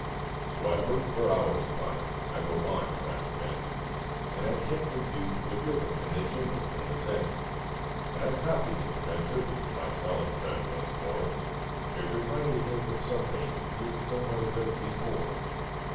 So I worked for hours upon it (I go on when I commence), And I kept in view the rhythm and the jingle and the sense, And I copied it and took it to my solemn friend once more It reminded him of something he had somewhere read before.